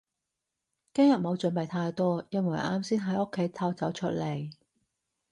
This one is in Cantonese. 今日冇準備太多，因為我啱先喺屋企偷走出嚟